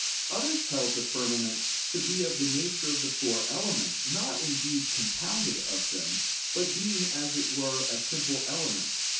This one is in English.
Others held the firmament to be of the nature of the four elements, not, indeed, compounded of them, but being as it were a simple element.